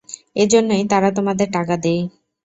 এজন্যই তারা তোমাদের টাকা দেয়।